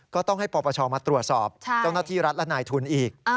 ก็ต้องให้ปปชมาตรวจสอบเจ้าหน้าที่รัฐและนายทุนอีก